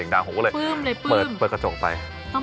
ต้องเป็นแฟนครับเรา